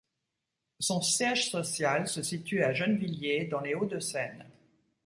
Son siège social se situe à Gennevilliers, dans les Hauts-de-Seine.